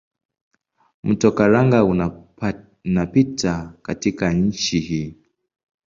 Mto Karanga unapita katika nchi hii.